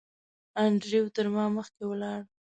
انډریو تر ما مخکې ولاړ.